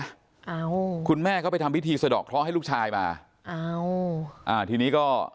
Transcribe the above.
เอาคุณแม่เขาไปทำพิธีสะดอกเคราะห์ให้ลูกชายมาอ้าวอ่าทีนี้ก็